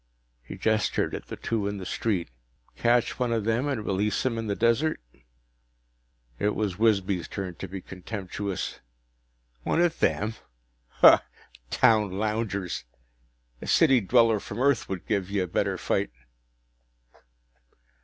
He gestured at the two in the street. "Catch one of them and release him in the desert?" It was Wisby's turn to be contemptuous. "One of them? Hah! Town loungers! A city dweller from Earth would give you a better fight."